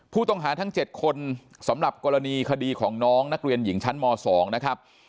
ผู้ต้องหาทั้ง๗คนสำหรับกรณีคดีของน้องนักเรียนหญิงชั้นม๒นะครับ